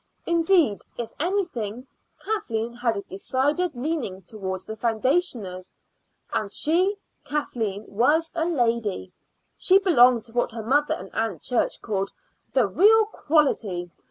Indeed, if anything, Kathleen had a decided leaning towards the foundationers; and she, Kathleen, was a lady she belonged to what her mother and Aunt Church called the "real quality."